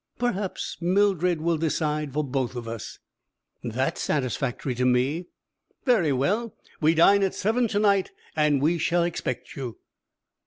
Perhaps Mildred will decide for both of us." "That is satisfactory to me." "Very well! We dine at seven to night; and we shall expect you."